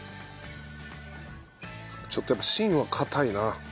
ちょっとやっぱ芯は硬いな。